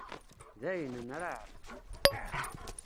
Dayen, nraε.